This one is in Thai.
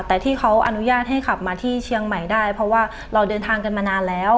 แต่ที่เขาอนุญาตให้ขับมาที่เชียงใหม่ได้เพราะว่าเราเดินทางกันมานานแล้ว